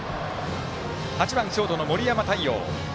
８番、ショートの森山太陽。